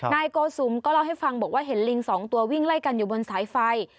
นายโกสุมก็เล่าให้ฟังบอกว่าเห็นลิงสองตัววิ่งไล่กันอยู่บนสายไฟ